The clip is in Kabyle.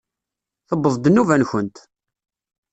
Tewweḍ-d nnuba-nkent!